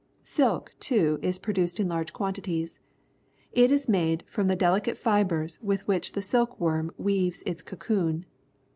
Silk, too, is produced in large quantities. It is made from the deli cate fibres with which the silk worm weaves its cocoon.